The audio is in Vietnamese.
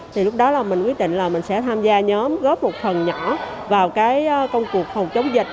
thì lúc đó là mình quyết định là mình sẽ tham gia nhóm góp một phần nhỏ vào cái công cuộc phòng chống dịch